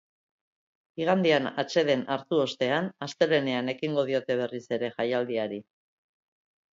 Igandean atseden hartu ostean, astelehenean ekingo diote berriz ere jaialdiari.